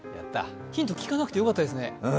ヒント、聞かなくてよかったですね。